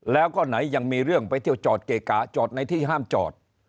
แล้วก็ไหนยังมีเรื่องไปเที่ยวจอดเกะกะจอดในที่ห้ามจอด